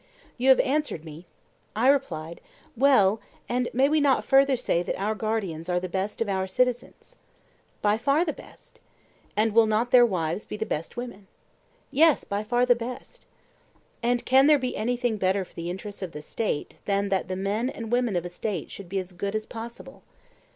You have answered me, I replied: Well, and may we not further say that our guardians are the best of our citizens? By far the best. And will not their wives be the best women? Yes, by far the best. And can there be anything better for the interests of the State than that the men and women of a State should be as good as possible?